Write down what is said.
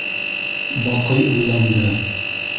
Баҡый уйланды.